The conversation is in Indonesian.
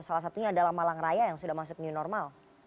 salah satunya adalah malang raya yang sudah masuk new normal